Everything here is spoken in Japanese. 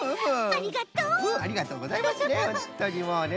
ありがとうございますね